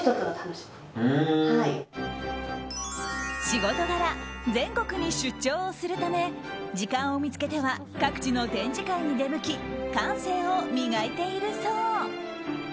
仕事柄、全国に出張をするため時間を見つけては各地の展示会に出向き感性を磨いているそう。